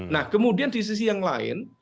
nah kemudian di sisi yang lain